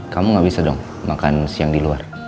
kamu gak bisa dong makan siang di luar